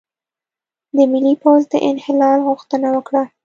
د ملي پوځ د انحلال غوښتنه وکړه،